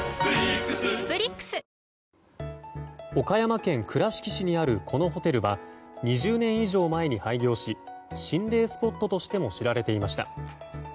岡山県倉敷市にあるこのホテルは２０年以上前に廃業し心霊スポットとしても知られていました。